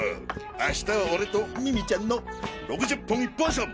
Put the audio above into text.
明日は俺とミミちゃんの６０分一本勝負！